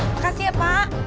makasih ya pak